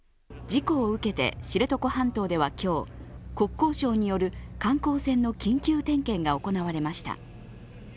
事故を受けて知床半島では今日、国交省による観光船の緊急点検が行われました。